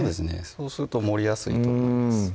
そうすると盛りやすいと思います